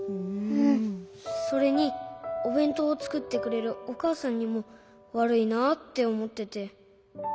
それにおべんとうをつくってくれるおかあさんにもわるいなっておもってて。